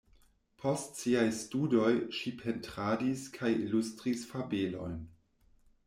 Post siaj studoj ŝi pentradis kaj ilustris fabelojn.